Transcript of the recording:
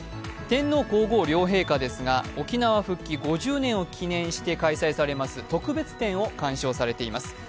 天皇・皇后両陛下ですが、沖縄復帰５０年を記念して開催されます特別展を鑑賞されています。